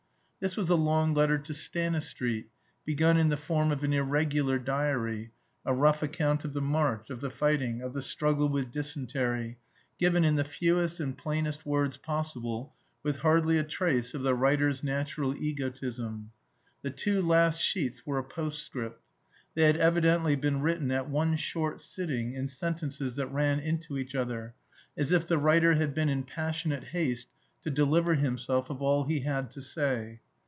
This was a long letter to Stanistreet, begun in the form of an irregular diary a rough account of the march, of the fighting, of the struggle with dysentery, given in the fewest and plainest words possible, with hardly a trace of the writer's natural egotism. The two last sheets were a postscript. They had evidently been written at one short sitting, in sentences that ran into each other, as if the writer had been in passionate haste to deliver himself of all he had to say.